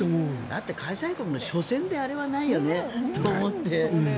だって開催国の初戦であれはないよねって思って。